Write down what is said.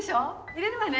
いれるわね。